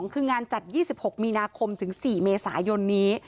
คืองานจัด๒๖มีนาคมถึง๔เมษายนนี้